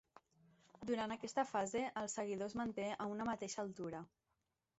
Durant aquesta fase el seguidor es manté a una mateixa altura.